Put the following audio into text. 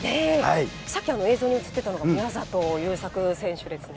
さっき映像に写ってたのが、宮里優作選手ですね。